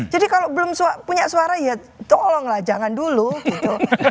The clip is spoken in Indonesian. jadi kalau belum punya suara ya tolonglah jangan dulu gitu